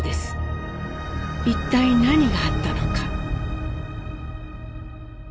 一体何があったのか？